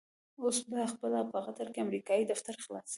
اوس په خپله په قطر کې امريکايي دفتر خلاصوي.